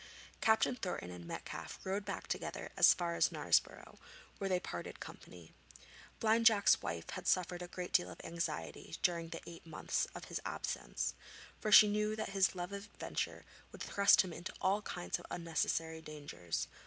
Captain Thornton and Metcalfe rode back together as far as Knaresborough, where they parted company. Blind Jack's wife had suffered a great deal of anxiety during the eight months of his absence, for she knew that his love of adventure would thrust him into all kinds of unnecessary dangers.